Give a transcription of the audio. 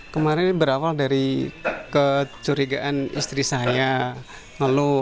kemarin berawal dari kecurigaan istri saya lalu